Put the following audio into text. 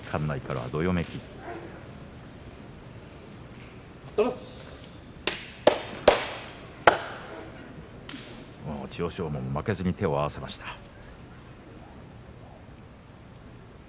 馬も負けずに手を合わせました。